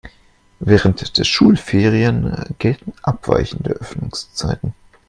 Während der Schulferien gelten abweichende Öffnungszeiten.